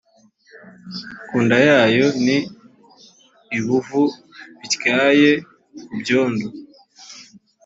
ku nda yayo ni ib uvu bityaye ku byondo